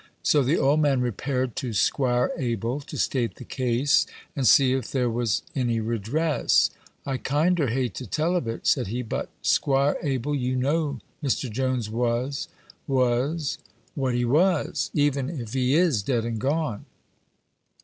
So the old man repaired to 'Squire Abel to state the case, and see if there was any redress. "I kinder hate to tell of it," said he; "but, 'Squire Abel, you know Mr. Jones was was what he was, even if he is dead and gone!"